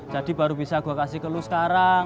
jadi baru bisa gue kasih ke lo sekarang